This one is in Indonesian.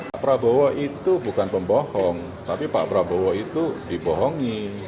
pak prabowo itu bukan pembohong tapi pak prabowo itu dibohongi